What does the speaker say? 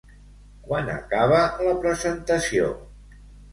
Quan acaba la presentació?